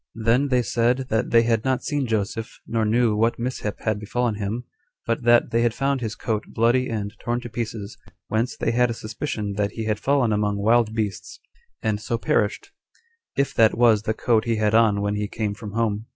Then they said that they had not seen Joseph, nor knew what mishap had befallen him; but that they had found his coat bloody and torn to pieces, whence they had a suspicion that he had fallen among wild beasts, and so perished, if that was the coat he had on when he came from home.